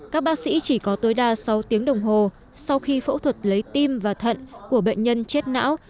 các bác sĩ chỉ có tối đa sáu tiếng đồng hồ sau khi phẫu thuật lấy tim và thận của bệnh nhân chết não